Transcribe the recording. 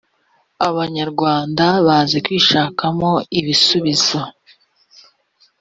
abanyarwanda bazi kwishakamo ibisubizo